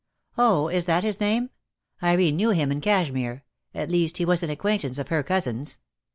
"Oh, is that his name? Irene knew him in Cashmere; at least, he was an acquaintance of her cousin's.